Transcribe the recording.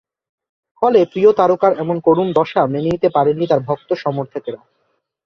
ফলে প্রিয় তারকার এমন করুণ দশা মেনে নিতে পারেননি তাঁর ভক্ত-সমর্থকেরা।